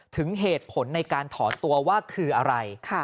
ถึงเหตุผลในการถอนตัวว่าคืออะไร